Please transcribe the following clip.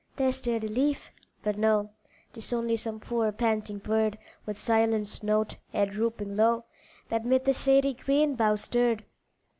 there stirred a leaf, but no, Tis only some poor, panting bird, With silenced note, head drooping low, That 'mid the shady green boughs stirred.